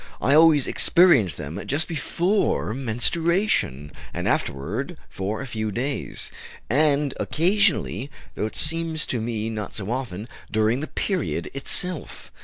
"I always experience them just before menstruation, and afterward for a few days, and, occasionally, though it seems to me not so often, during the period itself.